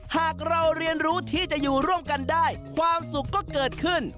หากเราเรียนรู้ที่จะอยู่ร่วมกันได้ความสุขก็เกิดขึ้น